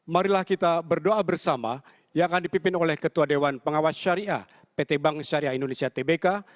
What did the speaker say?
marilah kita berdoa bersama yang akan dipimpin oleh ketua dewan pengawas syariah pt bank syariah indonesia tbk